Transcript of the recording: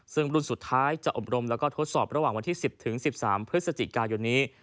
ซึ่งรุ่นสุดท้ายจะอบรมแล้วก็ทดสอบระหว่างวันที่๑๐๑๓พฤศจิกายนนี้